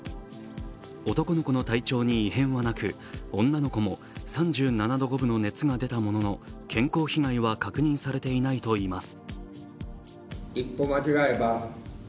男の子の体調に異変はなく女の子も３７度５分の熱が出たものの健康被害は確認されていないといいます。